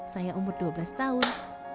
saya umur dua belas tahun